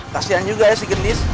kasian juga ya si gendis